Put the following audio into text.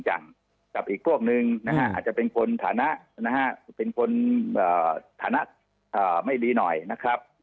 จังอีกพวกหนึ่งนะฮะเป็นคนฐานะไม่ดีหน่อยนะครับ